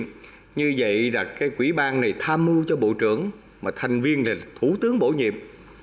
như vậy là cái quỹ ban này tham mưu cho bộ trưởng mà thành viên là thủ tướng bổ nhiệm